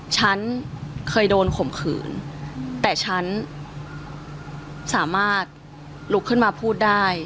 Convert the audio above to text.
ฉันเคยโดนข่มขืนแต่ฉันสามารถลุกขึ้นมาพูดได้